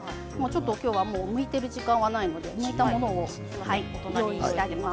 今日はむいている時間はないのでむいたものが用意してあります。